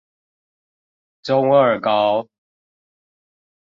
中二高